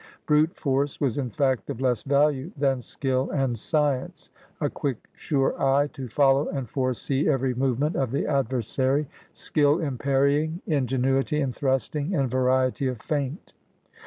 Brute force was in fact of less value than skill and science, a quick, sure eye to follow and foresee every movement of the adversary, skill in parry ing, ingenuity in thrusting, and variety of feint.